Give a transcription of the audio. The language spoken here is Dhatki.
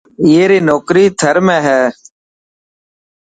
اي ري نوڪري ٿر ۾ هي.